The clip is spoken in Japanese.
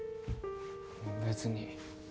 別に。